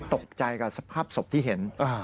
ตกใจกับสภาพศพที่เห็น